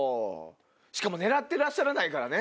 しかも狙ってらっしゃらないからね。